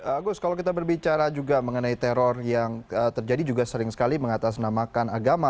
agus kalau kita berbicara juga mengenai teror yang terjadi juga sering sekali mengatasnamakan agama